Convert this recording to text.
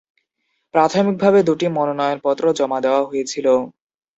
প্রাথমিকভাবে দুটি মনোনয়নপত্র জমা দেওয়া হয়েছিল।